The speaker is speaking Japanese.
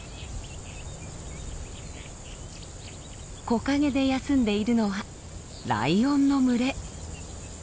木陰で休んでいるのはライオンの群れ。